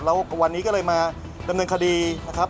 แล้ววันนี้ก็เลยมาดำเนินคดีนะครับ